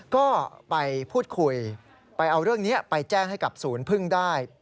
ก็ไปพูดคุยไปเอาเรื่องนี้ไปแจ้งให้กับศูนย์พึ่งได้